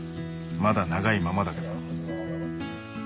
まだ長いままだけど。